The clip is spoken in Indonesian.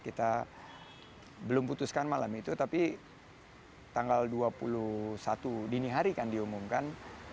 kita belum putuskan malam itu tapi tanggal dua puluh satu dini hari kan diumumkan